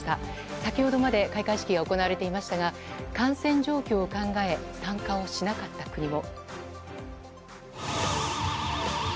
先ほどまで開会式が行われていましたが感染状況を考え参加をしなかった国も。